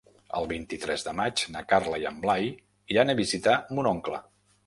El vint-i-tres de maig na Carla i en Blai iran a visitar mon oncle.